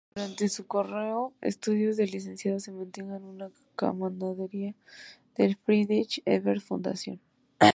Durante su correo-estudios de licenciado, se mantenga con una camaradería del Friedrich Ebert Fundación.